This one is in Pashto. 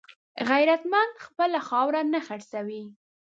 غیرتمند خپله خاوره نه خرڅوي